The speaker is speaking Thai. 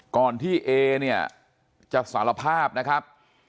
ก่อนที่เอเนี่ยจะสารภาพนะครับ